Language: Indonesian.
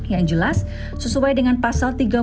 yang jelas sesuai dengan pasal tiga puluh tujuh